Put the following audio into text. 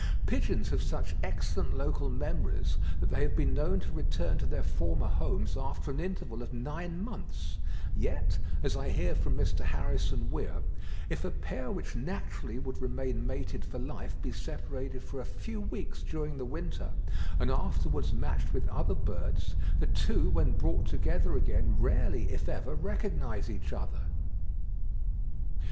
Pigeons have such excellent local memories, that they have been known to return to their former homes after an interval of nine months, yet, as I hear from Mr. Harrison Weir, if a pair which naturally would remain mated for life be separated for a few weeks during the winter, and afterwards matched with other birds, the two when brought together again, rarely, if ever, recognise each other.